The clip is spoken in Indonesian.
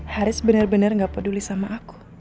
haris bener bener gak peduli sama aku